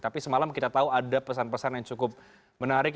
tapi semalam kita tahu ada pesan pesan yang cukup menarik